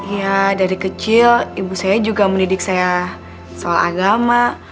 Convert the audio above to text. ya dari kecil ibu saya juga mendidik saya soal agama